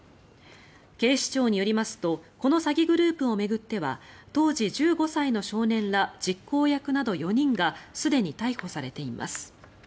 警視庁によりますとこの詐欺グループを巡っては当時１５歳の少年ら実行役など４人がすでに逮捕されています。